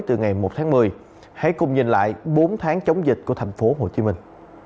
từ ngày một tháng một mươi hãy cùng nhìn lại bốn tháng chống dịch của thành phố hồ chí minh